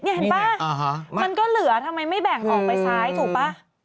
เห็นป่ะมันก็เหลือทำไมไม่แบ่งออกไปซ้ายถูกป่ะ